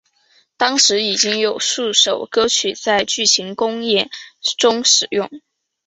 当时已经有数首歌曲在剧场公演中使用。